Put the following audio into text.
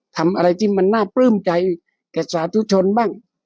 ทำอะไรที่มันน่าปลื้มใจแก่สาธุชนบ้าง